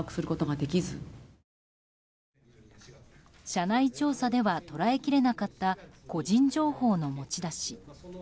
社内調査では捉えきれなかった個人情報の持ち出し。